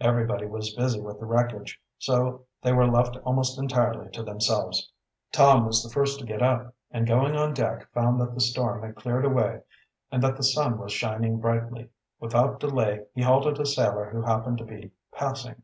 Everybody was busy with the wreckage, so they were left almost entirely to themselves. Tom was the first to get up, and going on deck found that the storm had cleared away and that the sun was shining brightly. Without delay he halted a sailor who happened to be passing.